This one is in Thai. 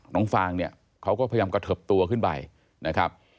น้องฟางเขาก็พยายามกระเถิบตัวขึ้นไป